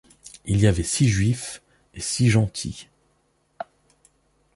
Il y avait six Juifs et six Gentils.